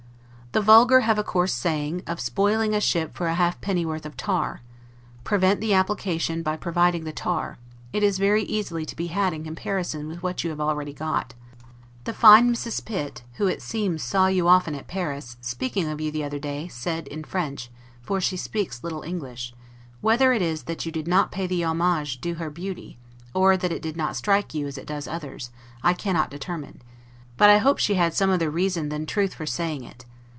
The vulgar have a coarse saying, of SPOILING A SHIP FOR A HALFPENNY WORTH OF TAR; prevent the application by providing the tar: it is very easily to be had in comparison with what you have already got. The fine Mrs. Pitt, who it seems saw you often at Paris, speaking of you the other day, said, in French, for she speaks little English, ... whether it is that you did not pay the homage due to her beauty, or that it did not strike you as it does others, I cannot determine; but I hope she had some other reason than truth for saying it.